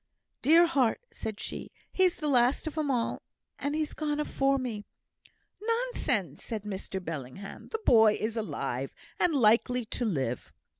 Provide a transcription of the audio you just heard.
"Dear heart!" said she, "he's the last of 'em all, and he's gone afore me." "Nonsense," said Mr Bellingham, "the boy is alive, and likely to live."